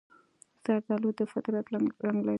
زردالو د فطرت رنګ لري.